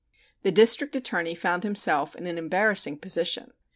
The District Attorney found himself in an embarrassing position.